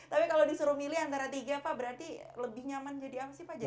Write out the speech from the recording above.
tapi kalau disuruh milih antara tiga pak berarti lebih nyaman jadi apa sih pak jaya